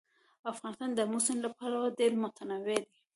افغانستان د آمو سیند له پلوه ډېر متنوع دی.